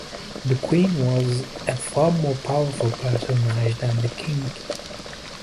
The queen was a far more powerful personage than the king.